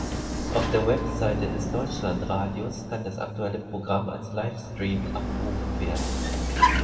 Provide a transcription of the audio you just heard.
Auf der Webseite des Deutschlandradios kann das aktuelle Programm als Livestream abgerufen werden.